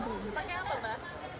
pakai apa mbah